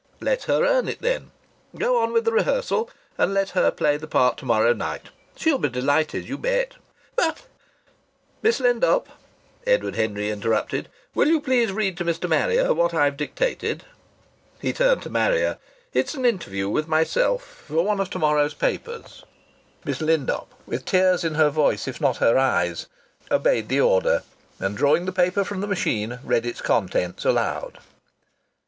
"Let her earn it, then. Go on with the rehearsal. And let her play the part to morrow night. She'll be delighted, you bet." "But " "Miss Lindop," Edward Henry interrupted, "will you please read to Mr. Marrier what I've dictated?" He turned to Marrier. "It's an interview with myself for one of to morrow's papers." Miss Lindop, with tears in her voice if not in her eyes, obeyed the order and, drawing the paper from the machine, read its contents aloud.